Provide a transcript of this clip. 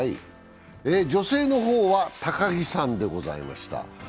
女性の方は高木さんでございました。